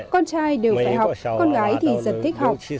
con trai đều phải học con gái thì rất thích học